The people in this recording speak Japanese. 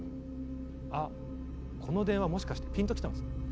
あこの電話もしかしてピンときたんですって。